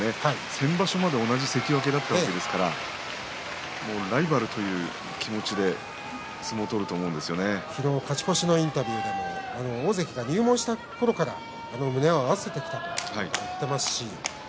先場所まで同じ関脇だったわけですからライバルという昨日、勝ち越しのインタビューで大関が入門したころから胸を合わせてきたそう言ってました。